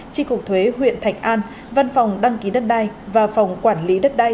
tri cục thuế huyện thạch an văn phòng đăng ký đất đai và phòng quản lý đất đai